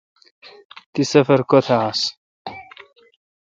تی سفر کوتھ آس۔